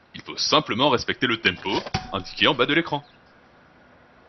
Il faut simplement respecter le tempo indiqué en bas de l'écran.